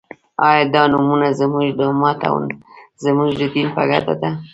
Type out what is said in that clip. آیا دا نومؤنه زموږ د امت او زموږ د دین په ګټه ده؟